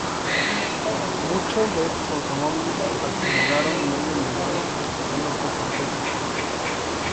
Muchos de estos automóviles acumularon medio millón de kilómetros antes de su retirada.